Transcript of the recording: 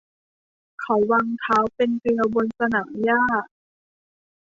เขาวางเท้าเป็นเกลียวบนสนามหญ้า